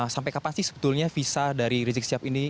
sampai kapan sih sebetulnya visa dari rizik sihab ini